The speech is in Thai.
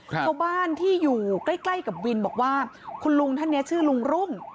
ชาวบ้านที่อยู่ใกล้ใกล้กับวินบอกว่าคุณลุงท่านนี้ชื่อลุงรุ่ง